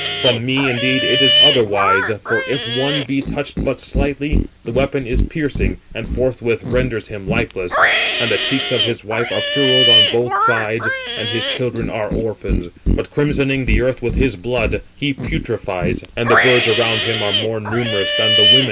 From me, indeed, it is otherwise; for if one be touched but slightly, the weapon is piercing, and forthwith renders him lifeless; and the cheeks of his wife are furrowed on both sides, and his children are orphans; but crimsoning the earth with his blood, he putrefies, and the birds around him are more numerous than the women."